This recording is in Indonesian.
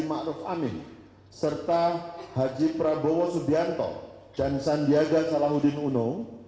makhlouf amin serta haji prabowo subianto dan sandiaga salahuddin unung